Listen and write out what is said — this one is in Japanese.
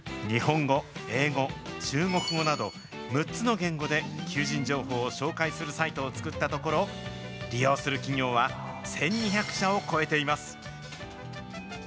日本語、英語、中国語など６つの言語で求人情報を紹介するサイトを作ったところ、利用する企業は１２００社を超えています。